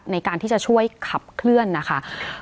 ในการที่จะช่วยขับเคลื่อนนะคะ